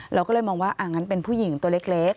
เราก็เลยมองว่างั้นเป็นผู้หญิงตัวเล็ก